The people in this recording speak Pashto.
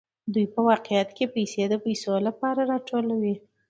دوی په واقعیت کې پیسې د پیسو لپاره راټولوي